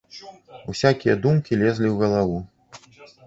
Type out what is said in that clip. Усякія думкі лезлі ў галаву.